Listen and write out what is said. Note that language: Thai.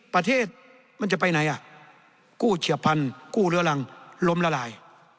ประเทศมันจะไปไหนอ่ะกู้เฉียบพันธุ์กู้เรื้อรังล้มละลาย